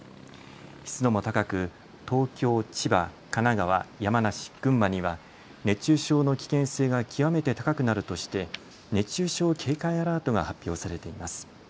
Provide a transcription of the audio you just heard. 湿度も高く東京、千葉、神奈川、山梨、群馬には熱中症の危険性が極めて高くなるとして熱中症警戒アラートが発表されています。